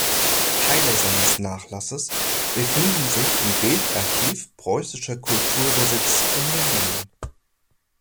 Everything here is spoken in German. Teile seines Nachlasses befinden sich im Bildarchiv Preußischer Kulturbesitz in Berlin.